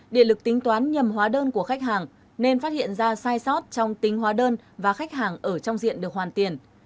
điện lực tính toán nhầm hóa đơn của khách hàng nên phát hiện ra sai sót trong tính hóa đơn và khách hàng ở trong diện được hoàn tiền